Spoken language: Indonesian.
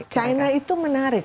china itu menarik